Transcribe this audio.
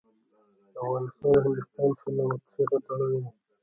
د افغانستان او هندوستان سلامتي سره تړلي دي.